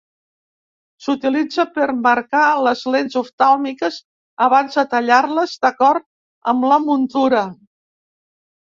S'utilitza per marcar les lents oftàlmiques abans de tallar-les, d'acord amb la muntura.